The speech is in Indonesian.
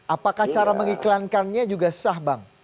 apakah cara mengiklankannya juga sah bang